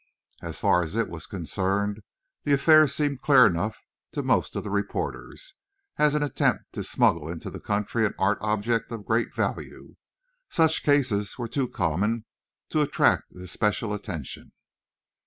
As far as it was concerned, the affair seemed clear enough to most of the reporters, as an attempt to smuggle into the country an art object of great value. Such cases were too common to attract especial attention.